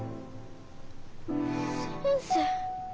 先生。